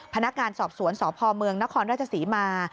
พนักงานสอบสวนสพเมืองนครราชศรีมา